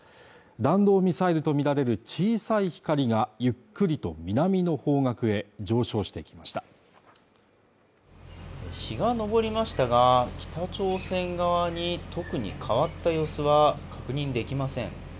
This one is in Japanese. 弾道ミサイルとみられる小さい光がゆっくりと南の方角へ上昇していきました日が昇りましたが、北朝鮮側に変わった様子はありません